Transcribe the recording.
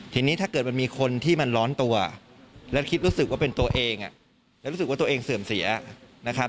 ทีนี้ถ้าเกิดมันมีคนที่มันร้อนตัวแล้วคิดรู้สึกว่าเป็นตัวเองแล้วรู้สึกว่าตัวเองเสื่อมเสียนะครับ